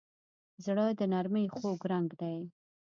زړه د نرمۍ خوږ رنګ دی.